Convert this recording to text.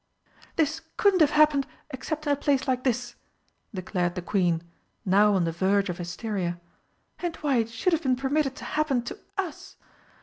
"This couldn't have happened except in a place like this!" declared the Queen, now on the verge of hysteria. "And why it should have been permitted to happen to US!